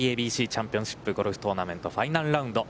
ＡＢＣチャンピオンシップゴルフトーナメントファイナルラウンド。